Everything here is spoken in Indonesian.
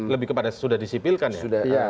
lebih kepada sudah disipilkan ya